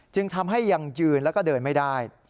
จึงทำให้ยังยืนแล้วก็เดินไม่ได้